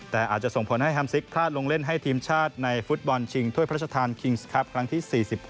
แต่อาจจะส่งผลให้แฮมซิกคลาดลงเล่นให้ทีมชาติในฟุตบอลชิงถ้วยพระราชทานคิงส์ครับครั้งที่๔๖